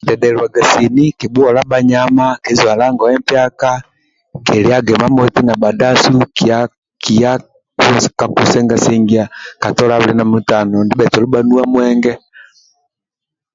Kikidhedheluaga sini kibhuola bhanyama kizwakla ngoye mpyaka kiliaga imamoti na bhadsu ndibhetolo kiya ka kusenga sengia ka tolo abili na mulutano ndibhabho hanuwa mwenge